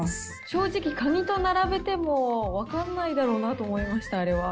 正直カニと並べても分からないだろうなと思いました、あれは。